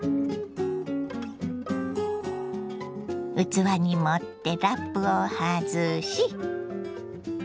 器に盛ってラップを外し。